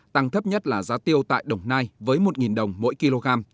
tăng thấp nhất là giá tiêu tại đồng nai với một đồng mỗi kg